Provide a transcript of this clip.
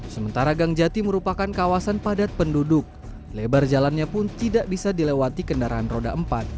sementara gangjati merupakan kawasan padat penduduk lebar jalannya pun tidak bisa dilewati kendaraan roda empat